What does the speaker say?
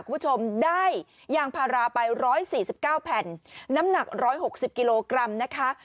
คุณผู้ชมได้ยางพาราไป๑๔๙แผ่นน้ำหนัก๑๖๐กิโลกรัมนะคะ